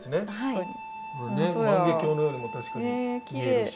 万華鏡のようにも確かに見えるし。